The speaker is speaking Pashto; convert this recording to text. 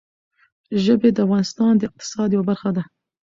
ژبې د افغانستان د اقتصاد یوه برخه ده.